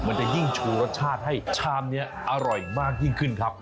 มันจะยิ่งชูรสชาติให้ชามนี้อร่อยมากยิ่งขึ้นครับ